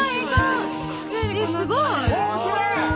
すごい！